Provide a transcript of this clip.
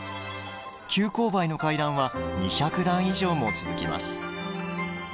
急勾配の階段は２００段以上も続きます。